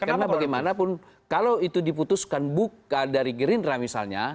karena bagaimanapun kalau itu diputuskan buka dari gerindra misalnya